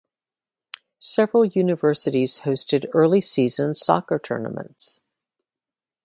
Several universities hosted early season soccer tournaments.